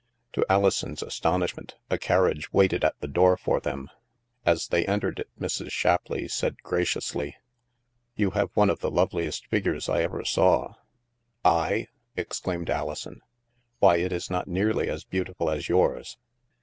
To Alison's astonishment, a carriage waited at the door for them. As they entered it, Mrs. Shapleigh said graciously: " You have one of the loveliest figures I ever saw." THE MAELSTROM 121 '* I ?" exclaimed Alison. *' Why it is not nearly as beautiful as yours."